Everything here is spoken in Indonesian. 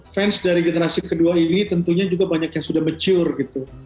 fans dari generasi kedua ini tentunya juga banyak yang sudah mature gitu